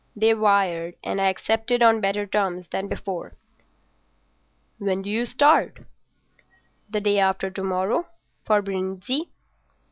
They wired, and I accepted on better terms than before." "When do you start?" "The day after to morrow—for Brindisi."